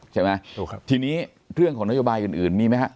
ใช่ไหมทีนี้เรื่องของโยบายอื่นมีไหมครับ